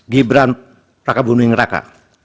gibran raka bunuhi ngeraka